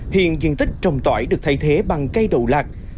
hiện diện tích trồng tỏi được thay thế bằng cây đổ lạc